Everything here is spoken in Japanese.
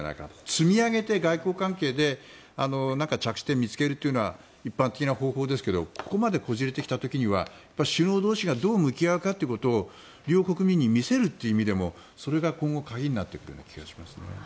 積み上げて、外交関係で着地点を見つけるというのは一般的な方法ですけどここまでこじれてきた時にはやっぱり首脳同士がどうやって向き合うかということを両国民に見せるという意味でもそれが今後鍵になってくるような気がします。